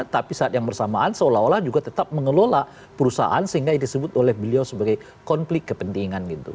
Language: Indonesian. tapi saat yang bersamaan seolah olah juga tetap mengelola perusahaan sehingga disebut oleh beliau sebagai konflik kepentingan gitu